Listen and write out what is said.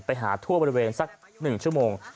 ไปหาทั่วบริเวณสักหนึ่งชั่วโมง